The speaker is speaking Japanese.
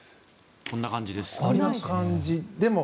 こんな感じです。